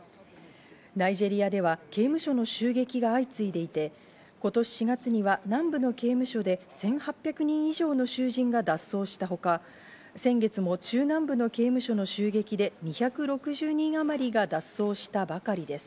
ナイジェリアでは刑務所の襲撃が相次いでいて、今年４月には南部の刑務所で１８００人以上の囚人が脱走したほか、先月も中南部の刑務所の襲撃で２６０人あまりが脱走したばかりです。